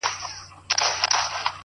تاته سلام په دواړو لاسو كوم،